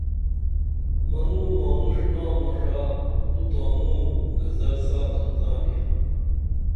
منوں مانوݜ نامہ ݜا تو تانوں نظر ساتن زانیہ